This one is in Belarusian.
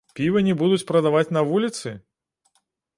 Піва не будуць прадаваць на вуліцы?